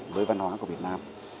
với văn hóa của việt nam